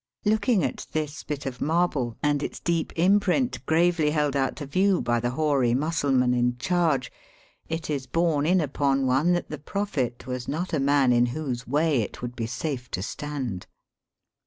Looking at this bit of marble, and its deep imprint gravely held out to view by the hoary Mus suhnan in charge, it is borne in upon one that the Prophet was not a man in whose way it would be safe to stand.